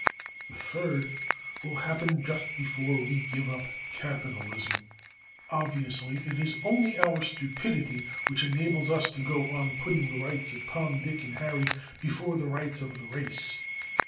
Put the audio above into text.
The third will happen just before we give up capitalism. Obviously, it is only our stupidity which enables us to go on putting the rights of Tom, Dick, and Harry before the rights of the race.